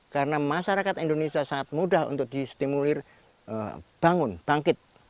karena masyarakat indonesia sangat mudah untuk disimulir bangun bangkit